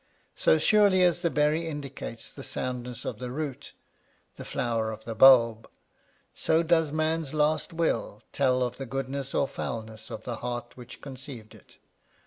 So surely as the berry indicates the soundness of the root, the flower of the bulb, so does man's last will tell of the goodness or foulness of the heart which conceived it.